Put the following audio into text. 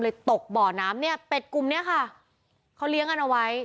ตกบ่อน้ำเนี่ยเป็ดกลุ่มเนี้ยค่ะเขาเลี้ยงกันเอาไว้